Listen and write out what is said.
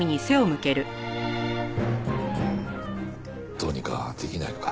どうにかできないのか？